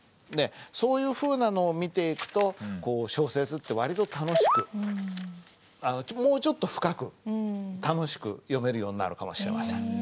そういうふうなのを見ていくとこう小説って割と楽しくもうちょっと深く楽しく読めるようになるかもしれません。